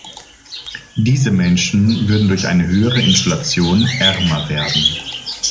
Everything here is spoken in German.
Diese Menschen würden durch eine höhere Inflation ärmer werden.